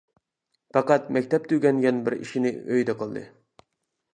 پەقەت مەكتەپتە ئۆگەنگەن بىر ئىشىنى ئۆيدە قىلدى.